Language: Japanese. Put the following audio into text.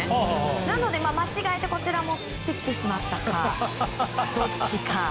なので間違えてこちらを持ってきたかどっちか。